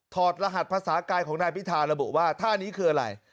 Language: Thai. ตรหัสภาษากายของนายพิธาระบุว่าท่านี้คืออะไร